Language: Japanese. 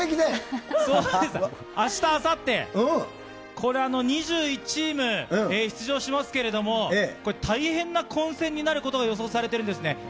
そうです、あした、あさって、これ２１チーム出場しますけれども、これ、大変な混戦になることが予想されてるんですね。